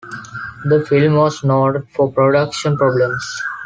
The film was noted for production problems.